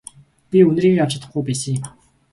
Би үнэрийг авч чадахгүй байсан юм.